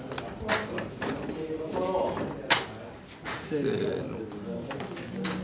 せの。